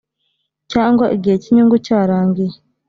cyangwa igihe cy inyungu cyarangiye